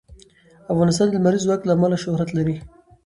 افغانستان د لمریز ځواک له امله شهرت لري.